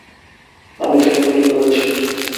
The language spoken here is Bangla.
আমি তাকে গুলি করেছি।